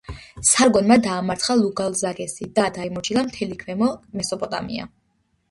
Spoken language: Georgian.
სარგონმა დაამარცხა ლუგალზაგესი და დაიმორჩილა მთელი ქვემო მესოპოტამია.